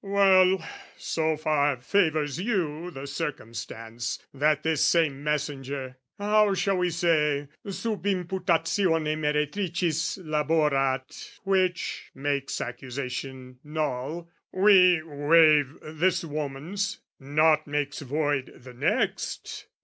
" Well, so far favours you the circumstance "That this same messenger...how shall we say?... "Sub imputatione meretricis "Laborat, which makes accusation null: "We waive this woman's: nought makes void the next.